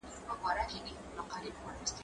کېدای سي خواړه خراب وي